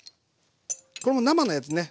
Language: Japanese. これも生のやつね